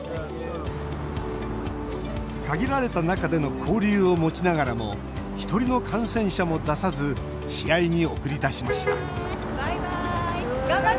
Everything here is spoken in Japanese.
限られた中での交流を持ちながらも１人の感染者も出さず試合に送り出しましたバイバイ！